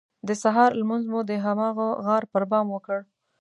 د سهار لمونځ مو د هماغه غار پر بام وکړ.